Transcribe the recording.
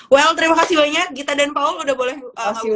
well terima kasih banyak gita dan paul udah boleh ngomong